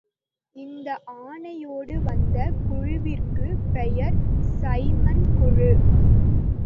இந்த ஆணையோடு வந்த குழுவிற்குப் பெயர் சைமன் குழு.